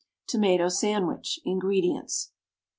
=Tomato Sandwich.= INGREDIENTS.